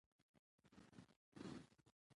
ازادي راډیو د سیاست په اړه سیمه ییزې پروژې تشریح کړې.